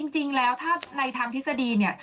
จริงแล้วในธรรมทฤษฎี